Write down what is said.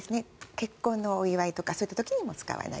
結婚のお祝いとかそういった時にも使わない。